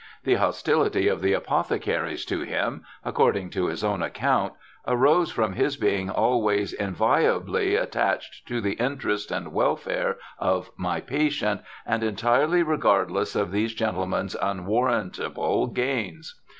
The hostility of the apothecaries to him, according to his own account, arose from his being 'always inviolably attached to the Interest and Welfare of my patient and entirely regardless of these Gentle men's unwarrantable Gains